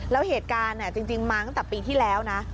แล้วเหตุการณ์จริงมาตั้งแต่ปีที่แล้วนะ